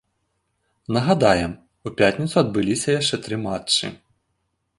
Нагадаем, у пятніцу адбыліся яшчэ тры матчы.